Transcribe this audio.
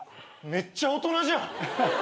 めっちゃ大人じゃん。